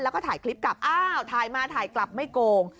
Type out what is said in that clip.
แล้วก็ถ่ายคลิปกลับอ้าวถ่ายมาถ่ายกลับไม่โกง